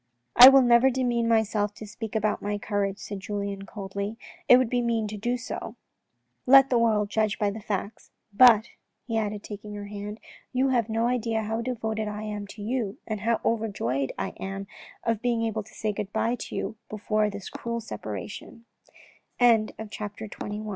" I will never demean myself to speak about my courage," said Julien, coldly, " it would be mean to do so. Let the world judge by the facts. But," he added, taking her hand, " you have no idea how devoted I am to you and how over joyed I am of being able to say good bye to you before this